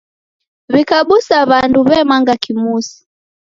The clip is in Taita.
W'ikabusa w'andu w'emanga kimusi.